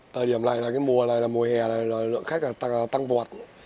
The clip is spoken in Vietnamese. tời điểm này là cái mùa này là mùa hè là lượng khách là tăng vọt